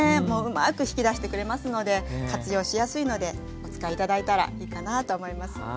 もううまく引き出してくれますので活用しやすいのでお使い頂いたらいいかなと思います。